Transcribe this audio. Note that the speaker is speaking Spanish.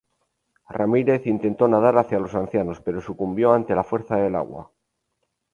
Ramírez intentó nadar hacia los ancianos, pero sucumbió ante la fuerza del agua.